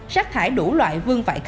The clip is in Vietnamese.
rác thải đủ loại vương vại khá